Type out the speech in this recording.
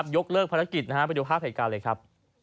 ยกเลิกภาพลักษณะกลับไปดูภาพเหตุการณ์เลยครับ